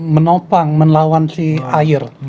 menopang menelawan si air